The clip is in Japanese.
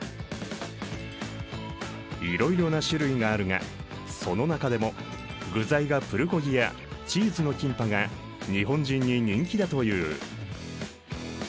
いろいろな種類があるがその中でも具材がプルコギやチーズのキンパが日本人に人気だという。